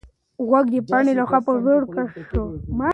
غوږ د پاڼې لخوا په زور کش شو.